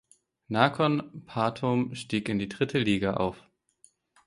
Nakhon Pathom stieg in die dritte Liga auf.